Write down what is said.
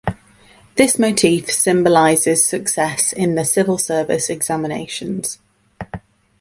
This motif symbolizes success in the civil service examinations.